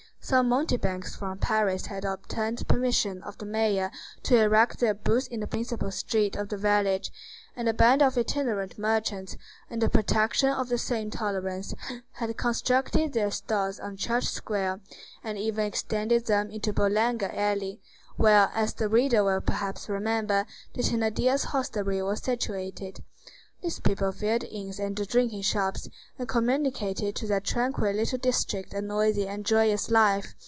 Some mountebanks from Paris had obtained permission of the mayor to erect their booths in the principal street of the village, and a band of itinerant merchants, under protection of the same tolerance, had constructed their stalls on the Church Square, and even extended them into Boulanger Alley, where, as the reader will perhaps remember, the Thénardiers' hostelry was situated. These people filled the inns and drinking shops, and communicated to that tranquil little district a noisy and joyous life.